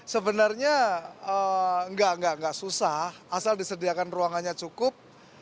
sebenarnya enggak enggak susah asal disediakan ruangannya cukup